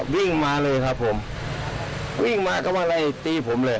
วิ่งมาก็ตีผมเลย